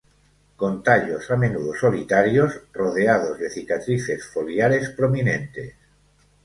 Con tallos a menudo solitarios, rodeados de cicatrices foliares prominentes.